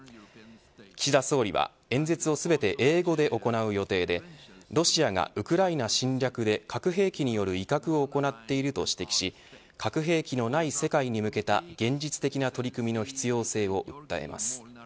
岸田総理は演説を全て英語で行う予定でロシアがウクライナ侵略で核兵器による威嚇を行っていると指摘し核兵器のない世界に向けた現実的な取り組みの必要性を訴えます。